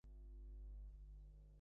গোসল করে এসো।